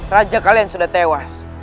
raja kalian sudah tewas